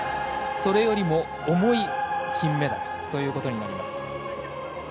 それよりも重い金メダルとなります。